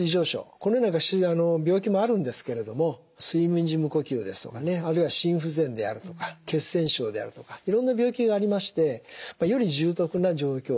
このような病気もあるんですけれども睡眠時無呼吸ですとかねあるいは心不全であるとか血栓症であるとかいろんな病気がありましてより重篤な状況ですね。